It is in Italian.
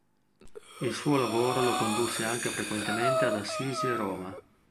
Il suo lavoro lo condusse anche frequentemente ad Assisi e Roma.